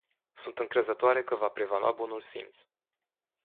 Sunt încrezătoare că va prevala bunul simț.